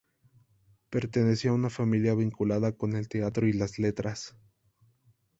Perteneció a una familia vinculada con el teatro y las letras.